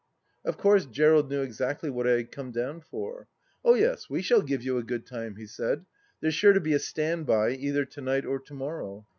... Of course Gerald knew exactly what I had come down for. " Oh yes, we shall give you a good time," he said. " There's sure to be a Stand by either to night or to morrow."